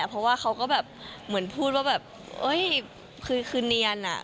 เพราะว่าเขาก็แบบเหมือนพูดว่าแบบเอ้ยคือเนียนอ่ะ